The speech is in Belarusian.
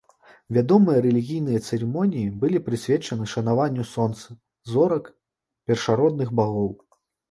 Вядомыя рэлігійныя цырымоніі былі прысвечаны шанаванню сонца, зорак, першародных багоў.